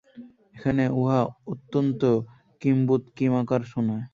এখানে উহা অত্যন্ত কিম্ভূতকিমাকার শুনায়।